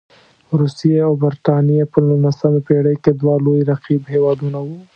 روسیې او برټانیې په نولسمه پېړۍ کې دوه لوی رقیب هېوادونه وو.